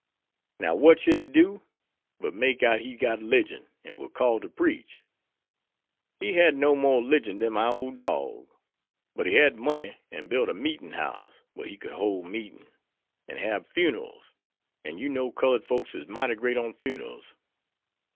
Now what should he do but make out he'd got 'ligion, an' war called to preach. He had no more 'ligion dan my ole dorg. But he had money an' built a meetin' house, whar he could hole meeting, an' hab funerals; an' you know cullud folks is mighty great on funerals.